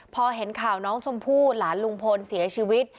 พอเห็นข่าวน้องชมพู่หลานลุงพลเสียชีวิต